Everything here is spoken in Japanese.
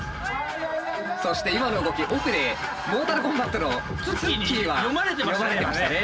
そして今の動き奥でモータルコンバットのＴＳＵＫＫＩに読まれてましたね。